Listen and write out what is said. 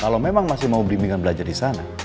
kalau memang masih mau belimbingan belajar di sana